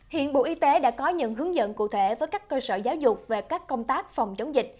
hiện bộ y tế đã có những hướng dẫn cụ thể với các cơ sở giáo dục về các công tác phòng chống dịch